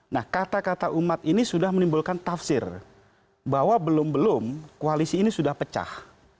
nah kata kata umat ini sudah menimbulkan tafsir bahwa belum belum koalisi ini sudah pecah